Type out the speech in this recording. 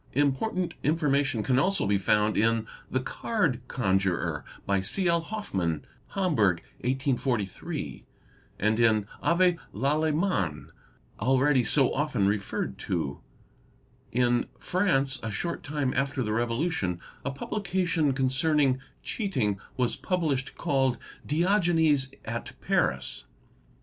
Important 4 information can also be found in "The Card Conjurer" by C. L. Hoffmann | (Hamburg 1848) and in Avé Lallement, already so often referred to. In France, a short time after the Revolution, a publication concerning cheating was published called "' Diogenes at Paris".